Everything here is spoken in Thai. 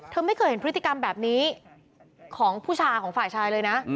ไม่เคยเห็นพฤติกรรมแบบนี้ของผู้ชายของฝ่ายชายเลยนะ